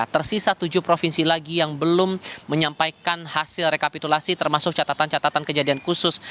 tersisa tujuh provinsi lagi yang belum menyampaikan hasil rekapitulasi termasuk catatan catatan kejadian khusus